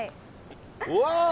うわ！